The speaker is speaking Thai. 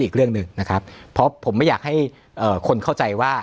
อีกเรื่องหนึ่งนะครับเพราะผมไม่อยากให้คนเข้าใจว่า